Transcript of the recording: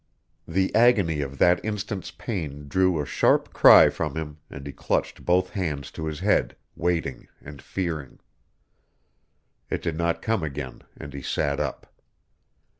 The agony of that instant's pain drew a sharp cry from him and he clutched both hands to his head, waiting and fearing. It did not come again and he sat up.